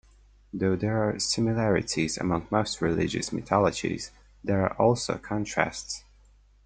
Though there are similarities among most religious mythologies, there are also contrasts.